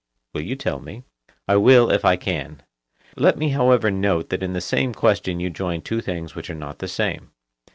Will you tell me? I will, if I can. Let me however note that in the same question you join two things which are not the same.